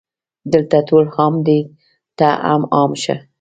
دلته ټول عام دي ته هم عام شه